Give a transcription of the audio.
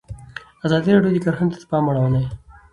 ازادي راډیو د کرهنه ته پام اړولی.